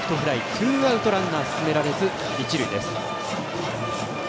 ツーアウト、ランナー進められず一塁です。